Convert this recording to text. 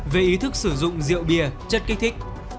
về ý thức sử dụng rượu bia chất kích thích